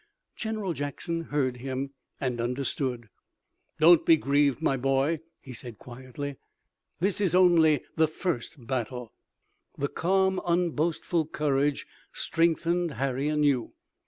General Jackson heard him and understood. "Don't be grieved, my boy," he said quietly. "This is only the first battle." The calm, unboastful courage strengthened Harry anew.